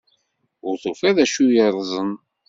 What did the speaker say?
Ur tufiḍ d acu yeṛṛeẓen.